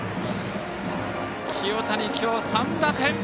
清谷、きょう３打点。